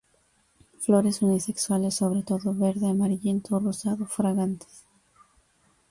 Flores unisexuales sobre todo, verde amarillento o rosado, fragantes.